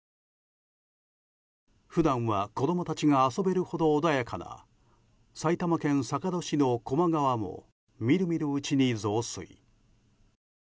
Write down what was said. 普段は子供たちが遊べるほど穏やかな埼玉県坂戸市の高麗川もみるみるうちに増水。